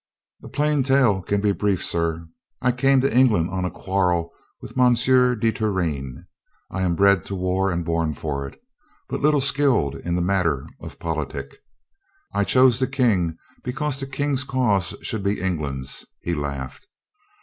"A plain tale can be brief, sir. I came to Eng AN HONEST MAN 237 land on a quarrel with M. de Turenne. I am bred to war and born for it, but little skilled in the mat ter of politic. I chose the King, because the King's cause should be England's." He laughed.